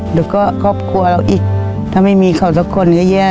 แล้วก็ครอบครัวเราอีกถ้าไม่มีเขาสักคนก็แย่